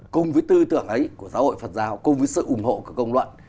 cùng với tư tưởng ấy của giáo hội phật giáo cùng với sự ủng hộ của công luận